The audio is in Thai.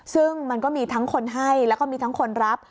ซึ่งมันก็มีทั้งคนให้แล้วก็มีทั้งคนรับ